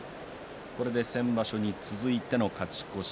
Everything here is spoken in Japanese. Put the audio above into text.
これで先場所に続いて勝ち越し。